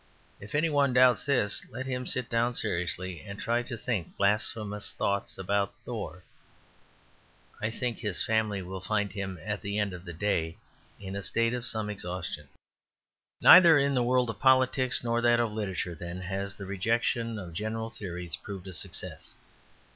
If any one doubts this, let him sit down seriously and try to think blasphemous thoughts about Thor. I think his family will find him at the end of the day in a state of some exhaustion. Neither in the world of politics nor that of literature, then, has the rejection of general theories proved a success.